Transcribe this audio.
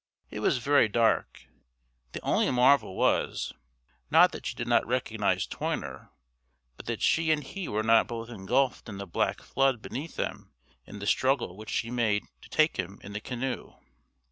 It was very dark; the only marvel was, not that she did not recognise Toyner, but that she and he were not both engulfed in the black flood beneath them in the struggle which she made to take him in the canoe.